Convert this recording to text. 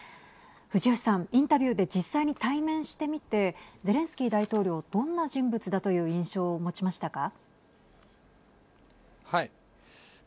藤吉さん、インタビューで実際に対面してみてゼレンスキー大統領どんな人物だという印象を持ちましたか。